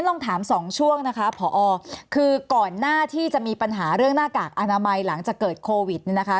ลองถามสองช่วงนะคะผอคือก่อนหน้าที่จะมีปัญหาเรื่องหน้ากากอนามัยหลังจากเกิดโควิดเนี่ยนะคะ